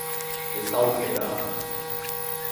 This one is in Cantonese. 你收皮啦